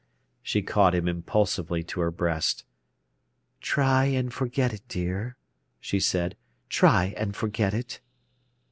She caught him impulsively to her breast. "Try and forget it, dear," she said; "try and forget it."